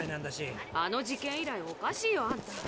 あの事件以来おかしいよあんた。